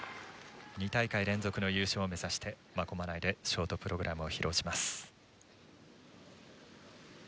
２大会連続の優勝を目指して真駒内でショートプログラムを披露します。